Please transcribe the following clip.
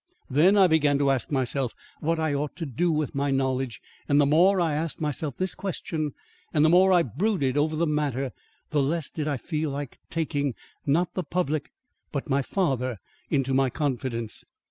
Then I began to ask myself what I ought to do with my knowledge, and the more I asked myself this question, and the more I brooded over the matter, the less did I feel like taking, not the public, but my father, into my confidence.